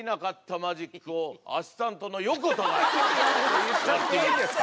言っちゃっていいんですか？